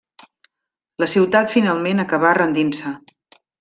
La ciutat finalment acabà rendint-se.